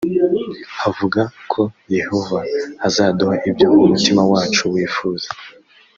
havuga ko yehova azaduha ibyo umutima wacu wifuza